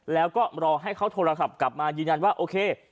แล้วก็รอให้เขาโทรศัพท์กลับมายืนยันว่าโอเค